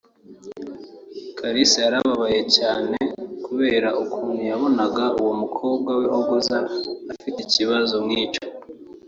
Kalisa yarababaye cyane kubera ukuntu yabonaga uwo mukobwa w’ihogoza ufite ikibazo nk’icyo